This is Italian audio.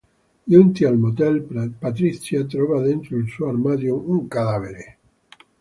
Giunti al motel, Patrizia, trova dentro il suo armadio un cadavere.